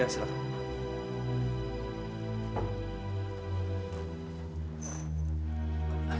sas gia silahkan